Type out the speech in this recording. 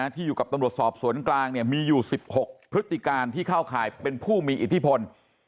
ที่อยู่กับตำรวจสอบสวนกลางมีอยู่๑๖พฤติการที่เข้าข่ายเป็นผู้มีอิทธิพล